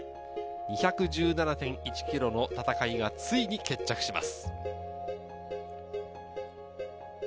２１７．１ｋｍの戦いがついに決着します。